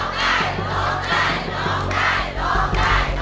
ได้ไหม